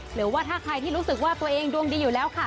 หรือว่าถ้าใครที่รู้สึกว่าตัวเองดวงดีอยู่แล้วค่ะ